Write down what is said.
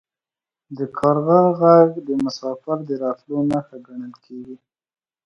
د کارغه غږ د مسافر د راتلو نښه ګڼل کیږي.